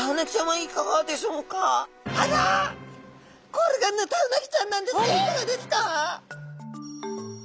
これがヌタウナギちゃんなんですがいかがですか？